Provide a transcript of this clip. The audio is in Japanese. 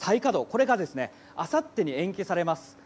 これがあさってに延期されます。